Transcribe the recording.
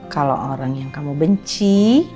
kalau orang yang kamu benci